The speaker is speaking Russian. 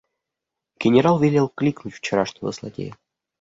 Генерал велел кликнуть вчерашнего злодея.